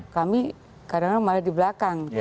kami kadang kadang malah di belakang